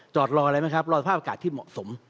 รออะไรไหมครับรอสภาพอากาศที่เหมาะสม